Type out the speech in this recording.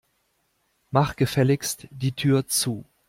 Mach gefälligst die Tür zu.